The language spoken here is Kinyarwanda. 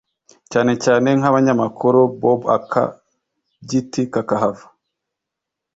Cyane cyane nkabanyamakuru bob aka giti kakahava